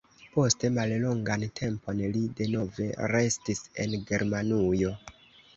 Poste mallongan tempon li denove restis en Germanujo.